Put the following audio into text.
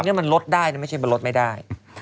นี่มันลดได้นะไม่ใช่มันลดไม่ได้